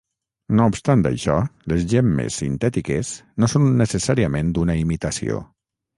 No obstant això, les gemmes sintètiques no són necessàriament una imitació.